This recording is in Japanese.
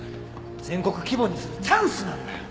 全国規模にするチャンスなんだよ！